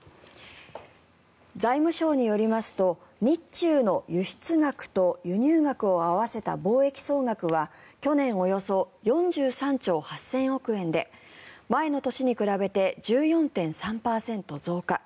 財務省によりますと日中の輸出額と輸入額を合わせた貿易総額は去年およそ４３兆８０００億円で前の年に比べて１４．３％増加。